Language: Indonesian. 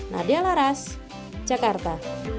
nadia laras jakarta